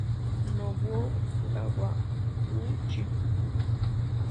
Nobuo Kawaguchi